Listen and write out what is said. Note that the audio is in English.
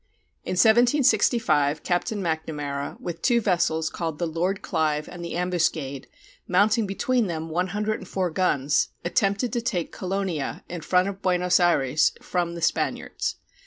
In 1765 Captain Macnamara, with two vessels called the Lord Clive and the Ambuscade, mounting between them 104 guns, attempted to take Colonia, in front of Buenos Ayres, from the Spaniards.